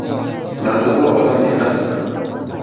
Mardikor odam emasmi?